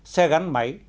xe gắn xe máy